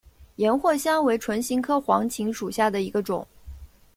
岩藿香为唇形科黄芩属下的一个种。